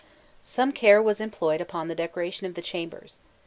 Some care was employed upon the decoration of the chambers.